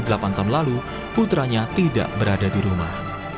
selama delapan tahun lalu putranya tidak berada di rumah